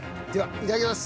いただきます。